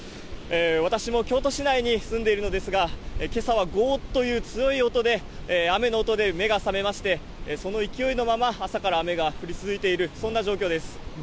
私も京都市内に住んでいるのですが、けさはごーっという強い音で、雨の音で目が覚めまして、その勢いのまま、朝から雨が降り続いている、そんな状況です。